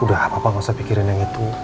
udah papa gak usah pikirin yang itu